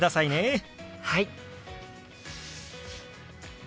はい！